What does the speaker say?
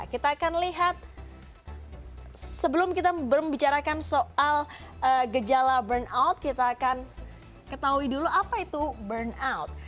kita akan lihat sebelum kita membicarakan soal gejala burnout kita akan ketahui dulu apa itu burnout